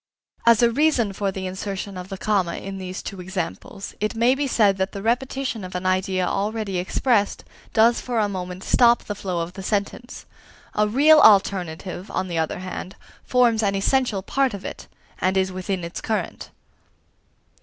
As a reason for the insertion of the comma in these two examples, it may be said that the repetition of an idea already expressed does for a moment stop the flow of the sentence. A real alternative, on the other hand, forms an essential part of it, and is within its current.